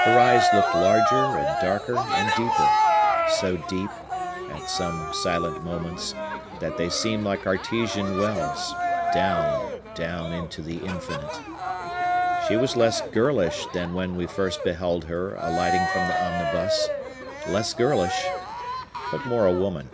Her eyes looked larger, and darker, and deeper; so deep, at some silent moments, that they seemed like Artesian wells, down, down, into the infinite. She was less girlish than when we first beheld her alighting from the omnibus; less girlish, but more a woman.